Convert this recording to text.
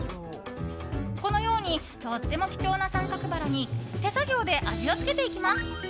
このようにとても貴重な三角バラに手作業で味をつけていきます。